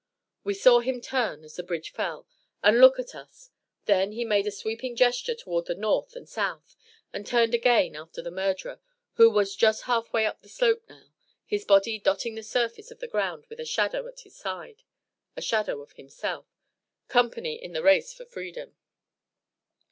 We saw him turn, as the bridge fell, and look at us; then he made a sweeping gesture toward the north and south, and turned again after the murderer, who was just half way up the slope now; his body dotting the surface of the ground with a shadow at his side a shadow of himself company in the race for freedom.